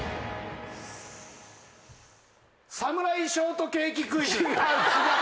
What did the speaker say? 「侍ショートケーキクイズ」違う違う。